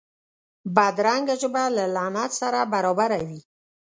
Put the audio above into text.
بدرنګه ژبه له لعنت سره برابره وي